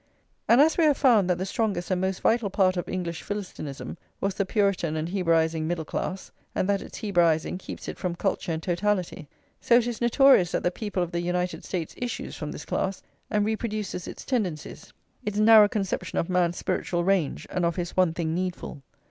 And as we have found that the strongest and most vital part of English Philistinism was the [xxxi] Puritan and Hebraising middle class, and that its Hebraising keeps it from culture and totality, so it is notorious that the people of the United States issues from this class, and reproduces its tendencies, its narrow conception of man's spiritual range and of his one thing needful.